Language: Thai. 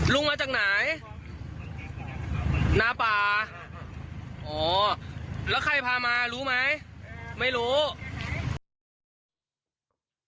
ลุงมาจากไหนหน้าป่าอ๋อแล้วใครพามารู้ไหมไม่รู้